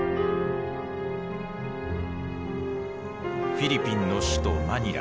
フィリピンの首都マニラ。